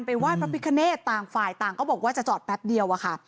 ไห้พระพิคเนตต่างฝ่ายต่างก็บอกว่าจะจอดแป๊บเดียวอะค่ะ